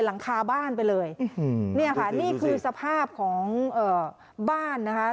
หลังคาบ้านไปเลยเนี่ยค่ะนี่คือสภาพของเอ่อบ้านนะคะ